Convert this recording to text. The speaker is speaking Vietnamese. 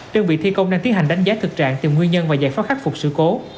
đơn vị thi công đang tiến hành đánh giá thực trạng tìm nguyên nhân và giải pháp khắc phục sự cố